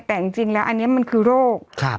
แต่จริงจริงแล้วอันเนี้ยมันคือโรคครับ